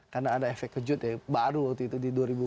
karena ada efek kejut yang baru waktu itu di dua ribu empat belas